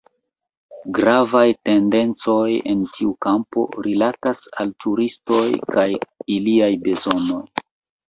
Gravaj tendencoj en tiu kampo rilatis al turistoj kaj iliaj bezonoj.